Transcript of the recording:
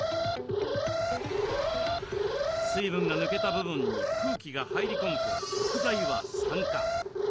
水分が抜けた部分に空気が入り込むと食材は酸化。